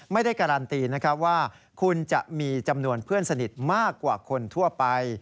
ไม่ได้การันตีนะครับว่าคุณจะมีจำนวนเพื่อนสนิทมากกว่าคนทั่วไป